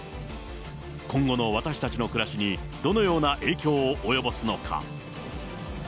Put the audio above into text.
今後の私たちの暮らしにどのような影響を及ぼすのか。